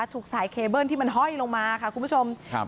ถูกสายเคเบิ้ลที่มันห้อยลงมาค่ะคุณผู้ชมครับ